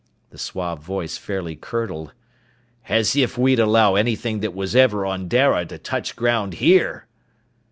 The suave voice fairly curdled. "As if we'd allow anything that was ever on Dara to touch ground here!"